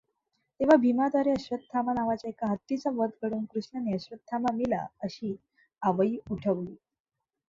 तेंव्हा भीमाद्वारे अश्वत्थामा नावाच्या एका हत्तीचा वध घडवून कृष्णाने अश्वत्थामा मेला अशी आवई उठवली.